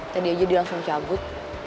tadi aja dia langsung cabut